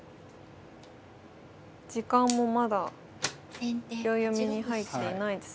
時間もまだ秒読みに入っていないですね。